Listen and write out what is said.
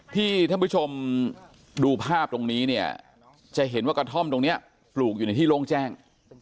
ที่ท่านผู้ชมดูภาพตรงนี้เนี่ยจะเห็นว่ากระท่อมตรงนี้ปลูกอยู่ในที่โล่งแจ้ง